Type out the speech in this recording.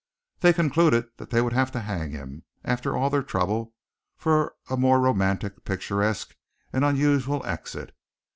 They concluded they would have to hang him, after all their trouble for a more romantic, picturesque, and unusual exit.